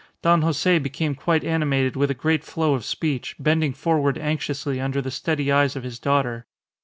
Don Jose became quite animated with a great flow of speech, bending forward anxiously under the steady eyes of his daughter.